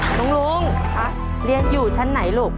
ลุงลุงเรียนอยู่ชั้นไหนลูก